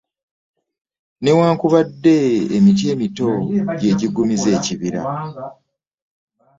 Newankubadde emiti emito gyejugumizza ekibira .